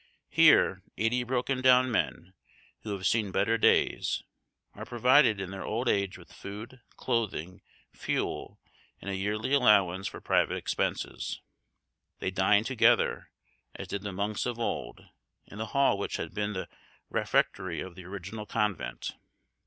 Here eighty broken down men, who have seen better days, are provided in their old age with food, clothing, fuel, and a yearly allowance for private expenses. They dine together, as did the monks of old, in the hall which had been the refectory of the original convent.